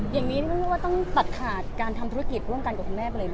อย่างนี้นี่ไม่รู้ว่าต้องตัดขาดการทำธุรกิจร่วมกันกับคุณแม่ไปเลยไหม